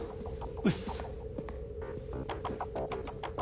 うっす。